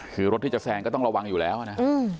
คือรถที่จะแซงก็ต้องระวังอยู่แล้วนะ